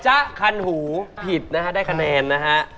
จ๊ะคันหูผิดนะฮะได้คะแนนนะฮะ